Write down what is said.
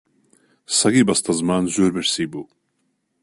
سەگی بەستەزمان زۆر برسی بوو